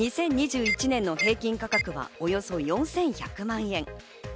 ２０２１年の平均価格はおよそ４１００万円。